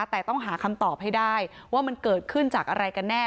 แต่ต้องหาคำตอบให้ได้ว่ามันเกิดขึ้นจากอะไรกันแน่